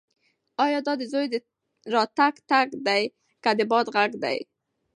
ایا دا د زوی د راتګ ټک دی که د باد غږ دی؟